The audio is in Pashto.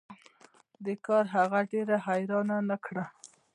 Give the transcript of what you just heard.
دې کار هغه ډیره حیرانه نه کړه